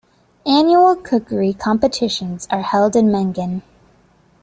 Annual cookery competitions are held in Mengen.